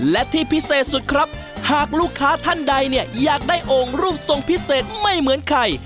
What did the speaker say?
และที่พิเศษสุดครับหากลูกค้าท่านใดเนี่ยอยากได้โอ่งรูปทรงพิเศษไม่เหมือนใคร